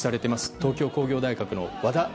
東京工業大学の和田名